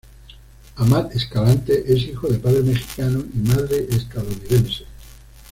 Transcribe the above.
Amat Escalante es hijo de padre mexicano y madre estadounidense.